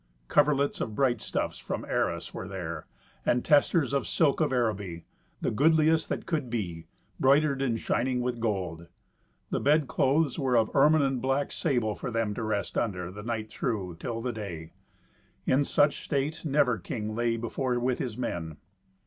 Coverlets of bright stuffs from Arras were there, and testers of silk of Araby, the goodliest that could be, broidered and shining with gold. The bed clothes were of ermine and black sable, for them to rest under, the night through, till the day. In such state never king lay before with his men.